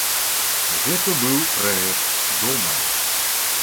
Гэта быў праект дома.